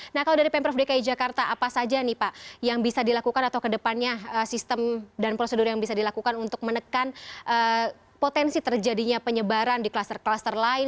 nah kalau dari pemprov dki jakarta apa saja nih pak yang bisa dilakukan atau kedepannya sistem dan prosedur yang bisa dilakukan untuk menekan potensi terjadinya penyebaran di kluster kluster lain